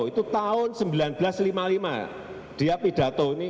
itu tahun seribu sembilan ratus lima puluh lima dia pidato ini